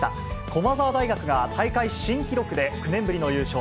駒澤大学が大会新記録で９年ぶりの優勝。